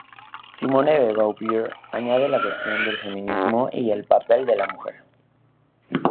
Simone de Beauvoir añade la cuestión del feminismo y el papel de la mujer.